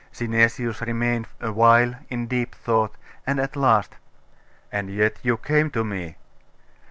Synesius remained a while in deep thought, and at last 'And yet you came to me?